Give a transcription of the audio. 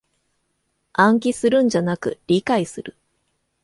暗記するんじゃなく理解する